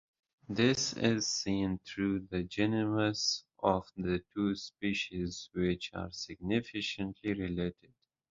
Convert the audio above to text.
This is seen through the genomes of the two species which are significantly related.